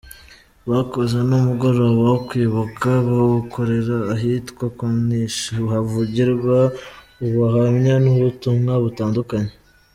Bakoze n’umugoroba wo kwibuka, bawukorera ahitwa Kontich, havugirwa ubuhamya, n’ubutumwa butandukanye.